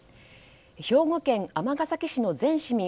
兵庫県尼崎市の全市民